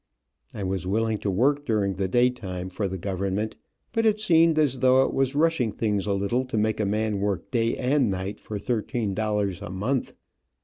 I was willing to work during the day time for the government, but it seemed as though it was rushing things a little to make a man work day and night for thirteen dollars a month.